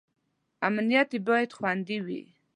امنیت یې باید خوندي وي.